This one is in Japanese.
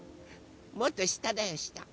もっとしただよした。